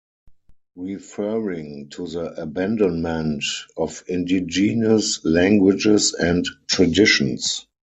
Referring to the abandonment of indigenous languages, and traditions.